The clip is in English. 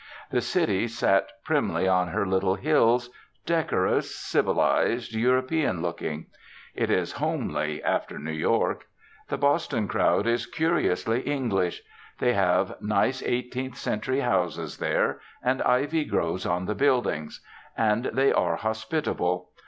The city sat primly on her little hills, decorous, civilised, European looking. It is homely after New York. The Boston crowd is curiously English. They have nice eighteenth century houses there, and ivy grows on the buildings. And they are hospitable.